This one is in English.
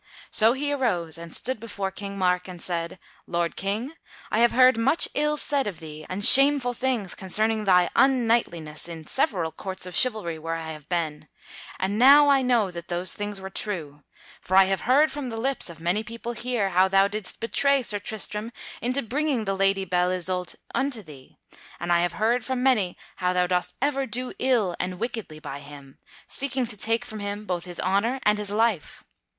So he arose and stood before King Mark and said: "Lord King, I have heard much ill said of thee and shameful things concerning thy unknightliness in several courts of chivalry where I have been; and now I know that those things were true; for I have heard from the lips of many people here, how thou didst betray Sir Tristram into bringing the Lady Belle Isoult unto thee; and I have heard from many how thou dost ever do ill and wickedly by him, seeking to take from him both his honor and his life.